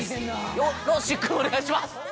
よろしくお願いします！